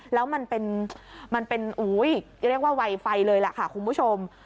แล้วมันเป็นเรียกว่าไวไฟเลยแหละค่ะคุณผู้ชม